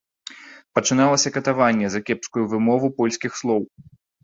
Пачыналася катаванне за кепскую вымову польскіх слоў.